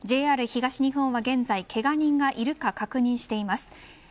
ＪＲ東日本は現在けが人がいるかどうか確認しています。